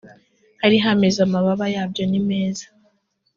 hari hameze amababa yabyo nimeza